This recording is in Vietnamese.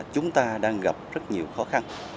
chúng ta đang gặp rất nhiều khó khăn